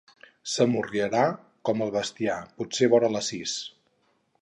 S'amorriarà com el bestiar, potser vora les sis.